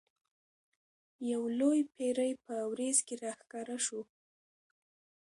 یو لوی پیری په وریځ کې را ښکاره شو.